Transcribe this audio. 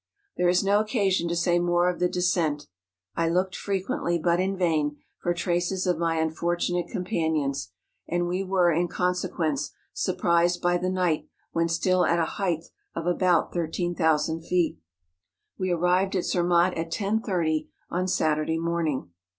There is no occasion to say more of the descent. I looked frequently, but in vain, for traces of my unfortunate companions; and we were, in consequence, surprised by the night when still at a height of about 13,000 feet. We arrived at Zer¬ matt at 10.30, on Saturday morning.